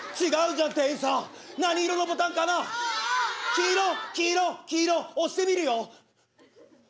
黄色黄色黄色押してみるよ。